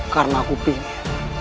karena aku ingin